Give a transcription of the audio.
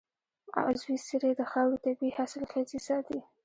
عضوي سرې د خاورې طبعي حاصلخېزي ساتي.